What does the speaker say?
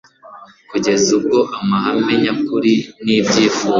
kugeza ubwo amahame nyakuri n’ibyifuzo